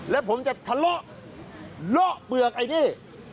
แล้วผมจะทะเลาะเลาะเปลือกไอ้นี่